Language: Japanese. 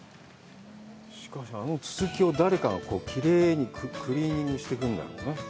しかし、あの続きを誰かがきれいにクリーニングしていくんだ。